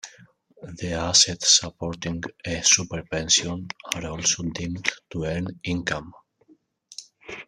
The assets supporting a "super pension" are also deemed to earn income.